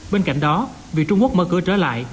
bên cạnh đó việc trung quốc mở cửa trở lại